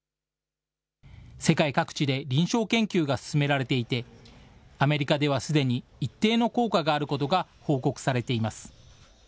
世界各地で、臨床研究が進められていて、アメリカではすでに一定の効果があることが報告されています。